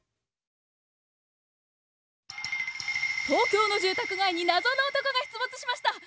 東京の住宅街に謎の男が出没しました！